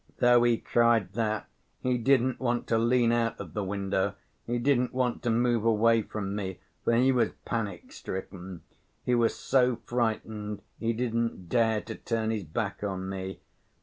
Though he cried that, he didn't want to lean out of the window, he didn't want to move away from me, for he was panic‐stricken; he was so frightened he didn't dare to turn his back on me.